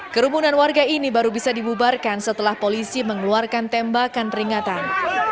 kerumunan warga ini baru bisa dibubarkan setelah polisi mengeluarkan tembakan peringatan